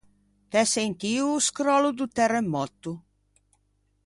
T’æ sentio o scròllo do tæramòtto?